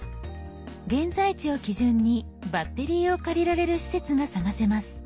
現在地を基準にバッテリーを借りられる施設が探せます。